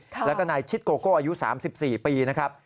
แล้วก็นายชิดโกโก้อายุ๓๔ปีนะครับ